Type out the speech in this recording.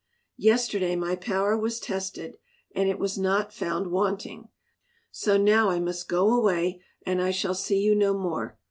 Yesterday my power was tested and it was not found wanting, so now I must go away and I shall see you no more.